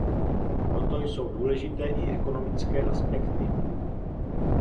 Proto jsou důležité i ekonomické aspekty.